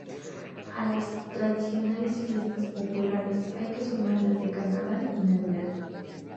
A las tradicionales fiestas populares hay que sumar las de carnaval y navidad.